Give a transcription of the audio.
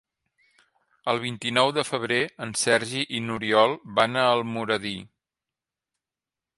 El vint-i-nou de febrer en Sergi i n'Oriol van a Almoradí.